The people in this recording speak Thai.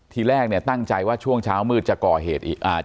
ทีแรกตั้งใจว่าช่วงเช้ามืดจะก่อเหตุอีก